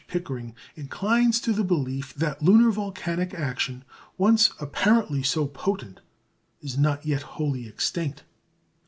Pickering inclines to the belief that lunar volcanic action, once apparently so potent, is not yet wholly extinct.